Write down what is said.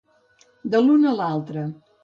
De l'un a l'altre.